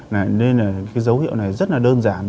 nên là dấu hiệu này rất là đơn giản